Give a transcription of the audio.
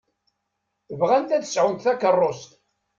Bɣant ad sɛunt takeṛṛust.